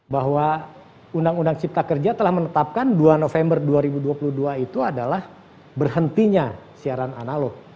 bahwa undang undang cipta kerja telah menetapkan dua november dua ribu dua puluh dua itu adalah berhentinya siaran analog